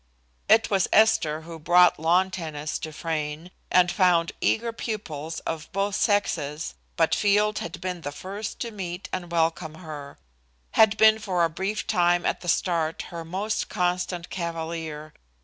It was Esther who brought lawn tennis to Frayne and found eager pupils of both sexes, but Field had been the first to meet and welcome her; had been for a brief time at the start her most constant cavalier.